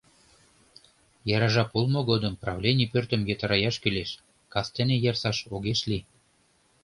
Яра жап улмо годым правлений пӧртым йытыраяш кӱлеш, кастене ярсаш огеш лий.